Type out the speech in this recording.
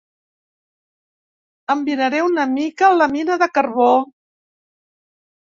Em miraré una mica la mina de carbó.